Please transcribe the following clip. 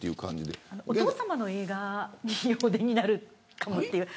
お父さまの映画にお出になるかもという。